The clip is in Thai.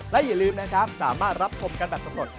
และอย่าลืมนะครับสามารถรับชมกันแบบสำรวจ